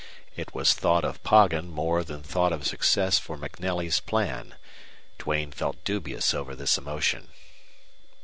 It was thought of Poggin more than thought of success for MacNelly's plan. Duane felt dubious over this emotion.